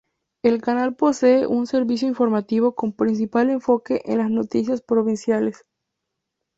El canal posee un servicio informativo con principal enfoque en las noticias provinciales.